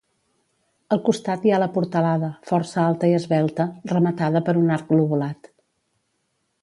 Al costat hi ha la portalada, força alta i esvelta, rematada per un arc lobulat.